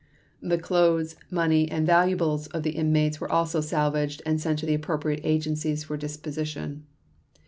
The clothes, money, and valuables of the inmates were also salvaged and sent to the appropriate agencies for disposition.